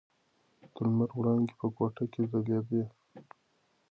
د لمر وړانګې په کوټه کې ځلېدې.